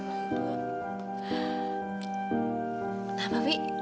hasil kamu masih ini